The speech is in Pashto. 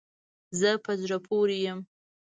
زه په زړه پوری یم